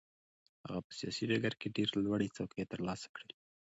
هغه په سیاسي ډګر کې ډېرې لوړې څوکې ترلاسه کړې.